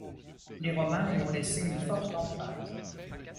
Les Romains y ont laissé une forte empreinte.